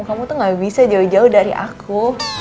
kamu tuh gak bisa jauh jauh dari aku